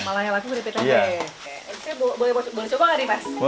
malah yang laku keripik tempe